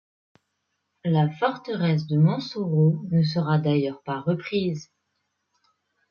La forteresse de Montsoreau ne sera d'ailleurs pas reprise.